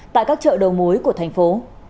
tại các chợ đầu mối của thành phố